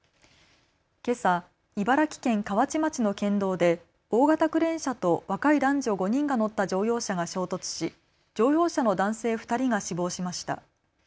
けさ茨城県河内町の県道で大型クレーン車と若い男女５人が乗った乗用車が衝突し乗用車の男性２人が死亡しました。